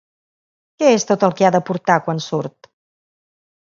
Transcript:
Què és tot el que ha de portar quan surt?